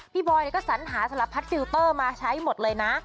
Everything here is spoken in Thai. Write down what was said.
บอยก็สัญหาสารพัดฟิลเตอร์มาใช้หมดเลยนะ